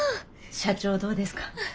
社長どうですか？